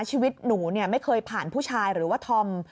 ชีวิตหนูไม่เคยผ่านผู้ชายหรือว่าธอม